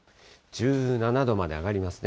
１７度まで上がりますね。